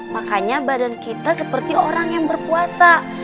makanya badan kita seperti orang yang berpuasa